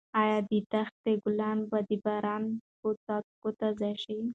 ایا د دښتې ګلان به د باران په څاڅکو تازه شي؟